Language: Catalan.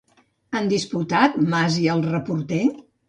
Han disputat Mas i el reporter?